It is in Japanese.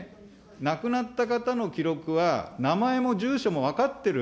亡くなった方の記録は名前も住所も分かってる